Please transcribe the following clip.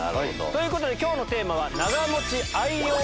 ということで今日のテーマは。